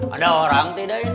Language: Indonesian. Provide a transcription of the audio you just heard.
ada orang tidak ini